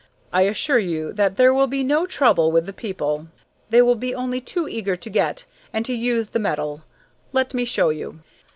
"I assure you that there will be no trouble with the people. They will be only too eager to get and to use the metal. Let me show you."